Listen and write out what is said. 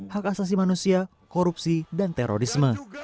hak asasi manusia korupsi dan terorisme